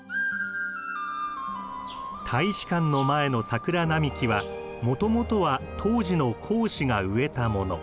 大使館の前の桜並木はもともとは当時の公使が植えたもの。